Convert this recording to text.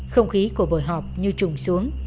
không khí của bội họp như trùng xuống